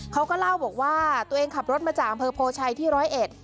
เขาก็เล่าบอกว่าตัวเองขับรถมาจากอำเภอโพชัยที่ร้อยเอ็ด